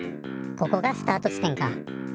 ここがスタート地点か。